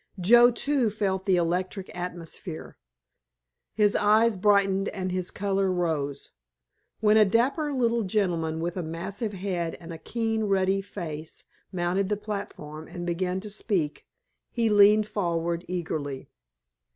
Joe, too, felt the electric atmosphere. His eyes brightened and his color rose. When a dapper little gentleman with a massive head and a keen, ruddy face mounted the platform and began to speak he leaned forward eagerly.